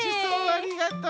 ありがとう。